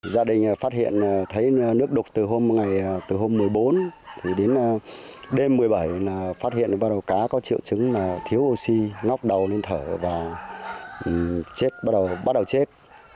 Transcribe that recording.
gia đình phát hiện thấy nước đục từ hôm một mươi bốn đến đêm một mươi bảy phát hiện cá có triệu chứng thiếu oxy ngóc đầu lên thở và bắt đầu chết